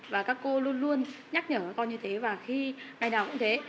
và các cô luôn luôn nhắc nhở các con như thế và khi ngày nào cũng thế